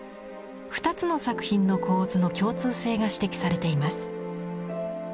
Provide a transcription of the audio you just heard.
２つの作品の構図の共通性が指摘されています。